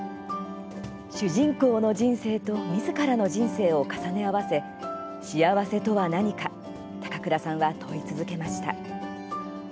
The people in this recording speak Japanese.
主人公の人生とみずからの人生を重ね合わせ幸せとは何か高倉さんは問い続けました。